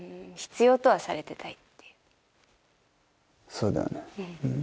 そうだよねうん。